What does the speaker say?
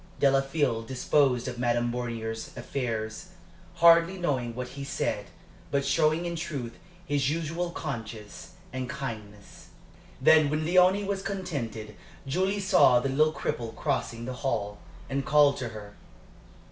Delafield disposed of Madame Bornier's affairs, hardly knowing what he said, but showing in truth his usual conscience and kindness. Then when Léonie was contented, Julie saw the little cripple crossing the hall, and called to her.